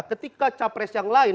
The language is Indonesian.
ketika capres yang lain